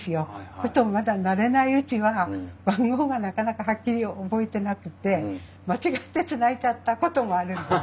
そうするとまだ慣れないうちは番号がなかなかはっきり覚えてなくて間違ってつないじゃったこともあるんです。